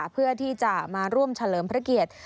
เพื่อที่จะมาร่วมเฉลิมพระเกียรติ